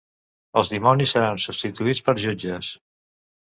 Els dimonis seran substituïts per jutges.